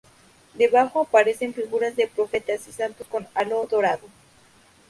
Debajo aparecen figuras de profetas y santos con halo dorado.